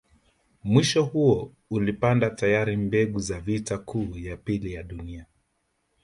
Mwisho huo ulipanda tayari mbegu za vita kuu ya pili ya dunia